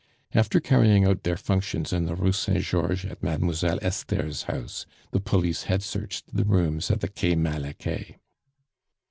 After carrying out their functions in the Rue Saint Georges at Mademoiselle Esther's house, the police had searched the rooms at the Quai Malaquais.